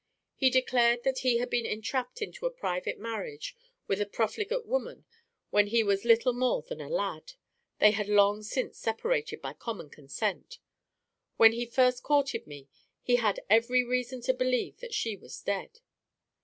He declared that he had been entrapped into a private marriage with a profligate woman when he was little more than a lad. They had long since separated by common consent. When he first courted me, he had every reason to believe that she was dead.